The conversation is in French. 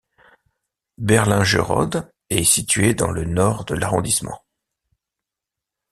Berlingerode est située dans le nord de l'arrondissement.